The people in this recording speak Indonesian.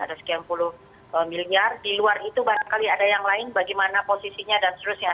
ada sekian puluh miliar di luar itu barangkali ada yang lain bagaimana posisinya dan seterusnya